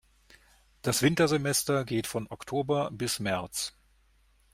Das Wintersemester geht von Oktober bis März.